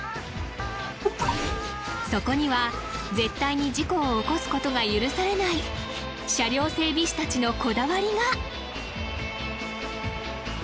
そこには絶対に事故を起こすことが許されない車両整備士達のこだわりが！